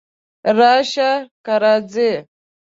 راشه! که راځې!